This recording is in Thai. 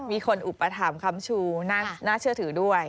มีคนอุปถัมภ์คำชูน่าเชื่อถือด้วย